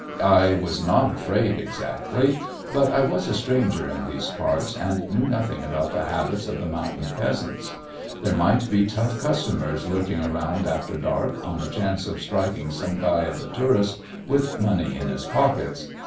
I was not afraid exactly, but I was a stranger in these parts and knew nothing about the habits of the mountain peasants. There might be tough customers lurking around after dark on the chance of striking some guy of a tourist with money in his pockets.